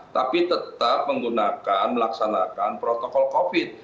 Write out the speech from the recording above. tapi tetap menggunakan melaksanakan protokol covid